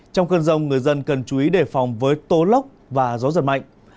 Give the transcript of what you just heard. trong cơn rông người dân cần chú ý đề phòng với tố lốc và gió giật mạnh